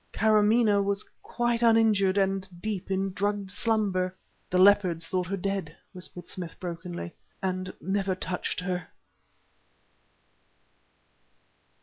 Kâramaneh was quite uninjured and deep in drugged slumber! "The leopards thought her dead," whispered Smith brokenly, "and never touched her!"